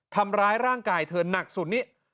ทำร้ายร่างกายเธอหนักสุดนี้